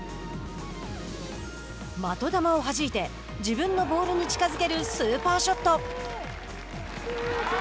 的球をはじいて、自分のボールに近づけるスーパーショット。